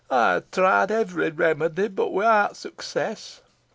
Ey ha' tried every remedy, boh without success.